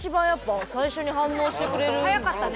速かったね。